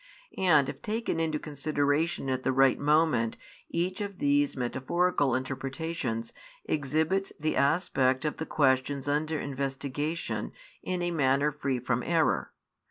And if taken into consideration at the right moment each of these metaphorical interpretations exhibits the aspect of the questions under investigation in |17 a manner free from error.